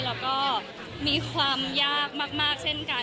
แล้วก็มีความยากมากเช่นกัน